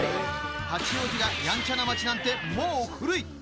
八王子がヤンチャな街なんてもう古い！